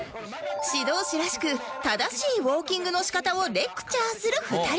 指導士らしく正しいウオーキングの仕方をレクチャーする２人